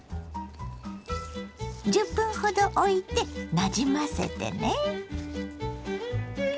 １０分ほどおいてなじませてね。